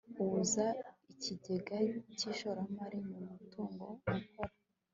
abuza ikigega cy'ishoramari mu mutungo gukora